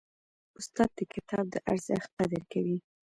استاد د کتاب د ارزښت قدر کوي.